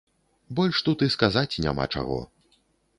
Больш тут і сказаць няма чаго.